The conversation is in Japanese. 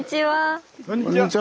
はい。